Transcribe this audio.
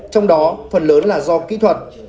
trong đó phần lớn là do kỹ thuật